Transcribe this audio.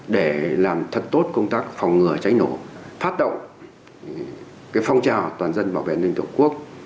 để làm thật tốt công tác phòng ngừa cháy nổ phát động phong trào toàn dân bảo vệ ninh tổ quốc